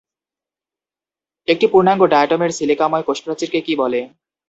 একটি পূর্ণাঙ্গ ডায়াটমের সিলিকাময় কোষপ্রাচীরকে কী বলে?